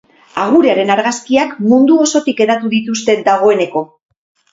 Agurearen argazkiak mundu osotik hedatu dituzte dagoeneko.